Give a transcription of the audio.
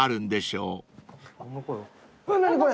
うわ何これ！